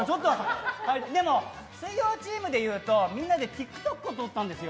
でも、水曜チームで言うと、みんなでＴｉｋＴｏｋを撮ったんですよ。